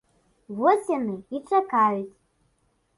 Вось яны і чакаюць.